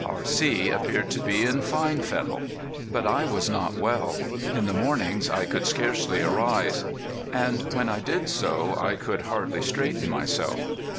R.C. appeared to be in fine fettle. But I was not well. In the mornings I could scarcely arise, and when I did so I could hardly straighten myself.